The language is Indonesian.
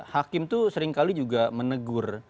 hakim itu seringkali juga menegur